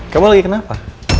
kamu lagi kenapa